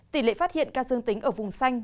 tỷ lệ phát hiện ca dương tính ở vùng xanh